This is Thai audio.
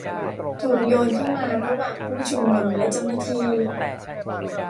ถูกโยนเข้ามาระหว่างผู้ชุมนุมและเจ้าหน้าที่